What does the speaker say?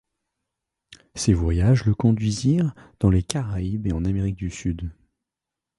Ses voyages le conduisirent dans les Caraïbes et en Amérique du Sud.